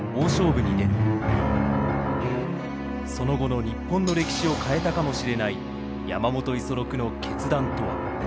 その後の日本の歴史を変えたかもしれない山本五十六の決断とは。